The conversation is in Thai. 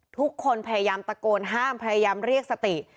ทุกคนพยายามตะโกนห้ามพยายามเรียกสติ